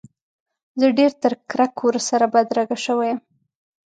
زه ډېره تر کرک ورسره بدرګه شوی یم.